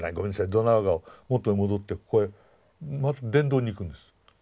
ドナウ川を元に戻ってここへまた伝道に行くんです。